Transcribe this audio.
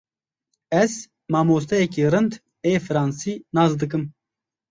Ez mamosteyekî rind ê fransî nas dikim.